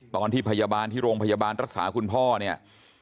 ตอนที่พยาบาลที่โรงพยาบาลรักษาคุณพ่อเนี่ย